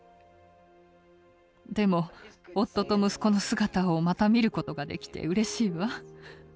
でも夫と息子の姿をまた見ることができてうれしいわ。